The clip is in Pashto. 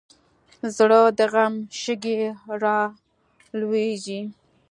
زړه د غم شګې رالوېږي.